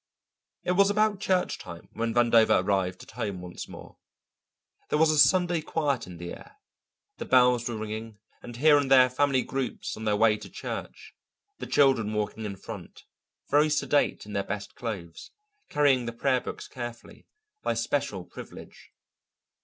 It was about church time when Vandover arrived at home once more. There was a Sunday quiet in the air. The bells were ringing, and here and there family groups on their way to church, the children walking in front, very sedate in their best clothes, carrying the prayer books carefully, by special privilege.